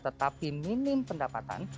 tetapi minim pendapatan